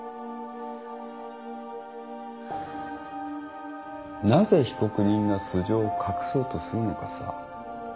ハァなぜ被告人が素性を隠そうとするのかさ